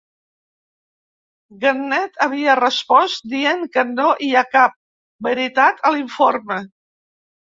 Gannett havia respost dient que no hi ha cap veritat a l'informe.